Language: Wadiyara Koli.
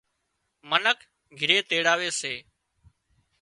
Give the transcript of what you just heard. منک گھِري تيڙاوي سي